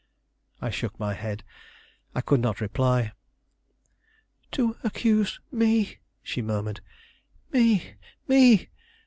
I shook my head. I could not reply. "To accuse me," she murmured; "me, me!"